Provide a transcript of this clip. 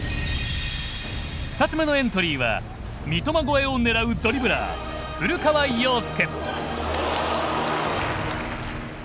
２つ目のエントリーは三笘超えを狙うドリブラー古川陽介。